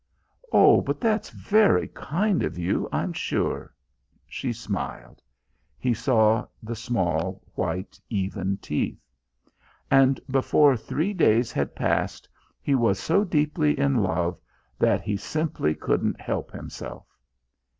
"Oh, but that's very kind of you, I'm sure." She smiled. He saw the small white even teeth.... And before three days had passed, he was so deeply in love that he simply couldn't help himself.